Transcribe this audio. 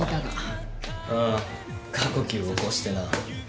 ああ過呼吸を起こしてな。